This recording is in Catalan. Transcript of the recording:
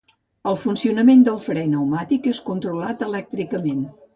El funcionament del fre pneumàtic és controlat elèctricament.